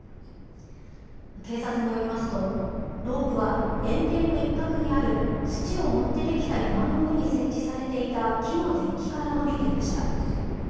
警察によりますと、ロープは園庭の一角にある、土を盛って出来た山の上に設置されていた木のデッキから伸びていました。